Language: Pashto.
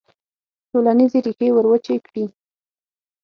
ټولنیزې ریښې وروچې کړي.